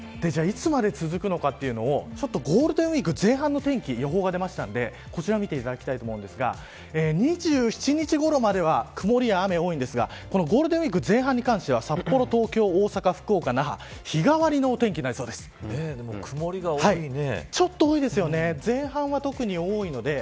いつまで続くのかというのをゴールデンウイーク前半の天気予報が出ましたのでこちらを見ていただきたいと思うんですが２７日ごろまでは曇りや雨が多いですが、ゴールデンウイーク前半に関しては札幌、東京、大阪、福岡、那覇日替わりのお天気に曇が多いね。